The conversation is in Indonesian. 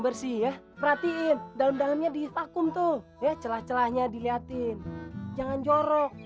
bersih ya perhatiin dalam dalamnya di vakum tuh ya celah celahnya dilihatin jangan jorok